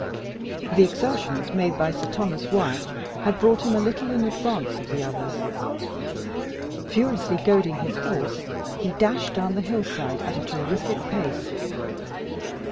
The exertions made by Sir Thomas Wyat had brought him a little in advance of the others. Furiously goading his horse, he dashed down the hillside at a terrific pace.